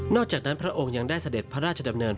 จากนั้นพระองค์ยังได้เสด็จพระราชดำเนิน